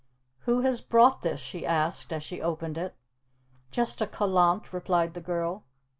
"Who has brought this?" she asked as she opened it. "Just a callant," replied the girl.